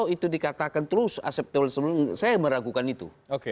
itu dikatakan terus acceptable sebelumnya saya meragukan itu